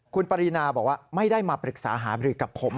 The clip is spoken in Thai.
คุณปรินาบอกว่าไม่ได้มาปรึกษาหาบริกับผม